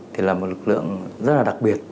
thì là một lực lượng rất là đặc biệt